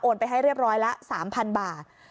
ไปให้เรียบร้อยละ๓๐๐๐บาท